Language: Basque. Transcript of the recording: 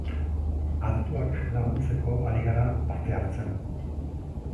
Adituak laguntzeko ari gara parte hartzen.